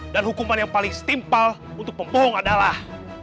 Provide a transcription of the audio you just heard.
dan hukuman yang paling stimpal untuk pembohong adalah